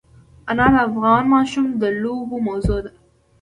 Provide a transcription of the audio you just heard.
انار د افغان ماشومانو د لوبو موضوع ده.